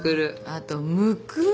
あとむくみ？